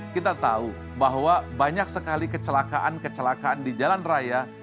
kita tahu bahwa banyak sekali kecelakaan kecelakaan di jalan raya